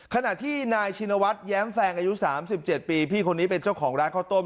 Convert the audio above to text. ขณะที่นายชินวัฒน์แย้มแซงอายุ๓๗ปีพี่คนนี้เป็นเจ้าของร้านข้าวต้ม